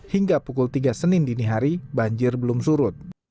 hingga pukul tiga senin dini hari banjir belum surut